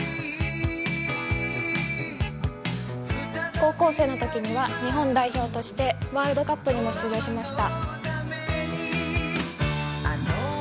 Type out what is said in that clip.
高校生のときには日本代表としてワールドカップにも出場しました。